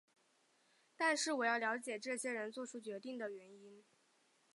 但是我要了解这些人作出决定的原因。